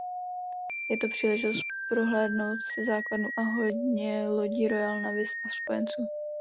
Je to příležitost prohlédnout si základnu a hodně lodí Royal Navy a spojenců.